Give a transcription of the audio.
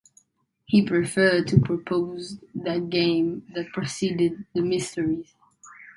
He preferred to suppose that the games preceded the mysteries.